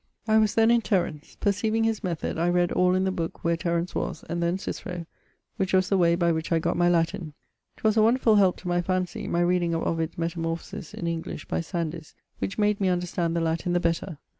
I was then in Terence. Percieving his method, I read all in the booke where Terence was, and then Cicero which was the way by which I gott my Latin. 'Twas a wonderfull helpe to my phansie, my reading of Ovid's Metamorphy in English by Sandys, which made me understand the Latin the better.